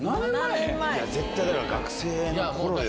絶対だから学生の頃よ。